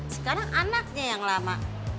sekarang anaknya yang lama